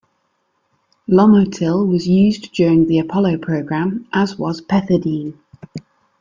Lomotil was used during the Apollo program, as was pethidine.